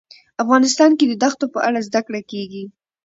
افغانستان کې د دښتو په اړه زده کړه کېږي.